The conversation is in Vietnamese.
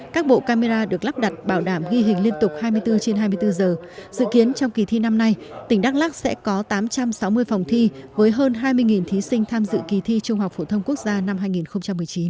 các bộ camera được lắp đặt bảo đảm ghi hình liên tục hai mươi bốn trên hai mươi bốn giờ dự kiến trong kỳ thi năm nay tỉnh đắk lắc sẽ có tám trăm sáu mươi phòng thi với hơn hai mươi thí sinh tham dự kỳ thi trung học phổ thông quốc gia năm hai nghìn một mươi chín